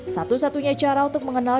satu satunya cara untuk mengenal